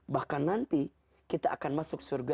bahkan nanti kita akan masuk surga